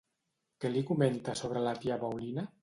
Què li comenta sobre la tia Paulina?